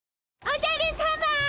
おじゃるさま！